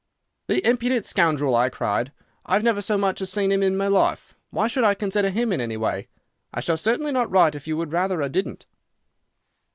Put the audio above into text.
"'The impudent scoundrel!' I cried. 'I've never so much as seen him in my life. Why should I consider him in any way? I shall certainly not write if you would rather I didn't.